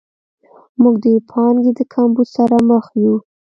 موږ د پانګې د کمبود سره مخ یو.